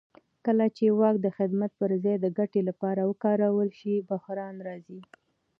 کله چې واک د خدمت پر ځای د ګټې لپاره وکارول شي بحران راځي